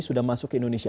sudah masuk ke indonesia